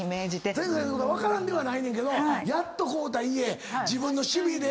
先生の言うこと分からんではないねんけどやっと買うた家。